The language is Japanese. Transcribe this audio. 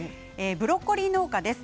ブロッコリー農家です。